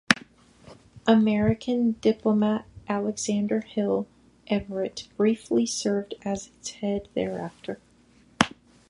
American diplomat Alexander Hill Everett briefly served as its head thereafter.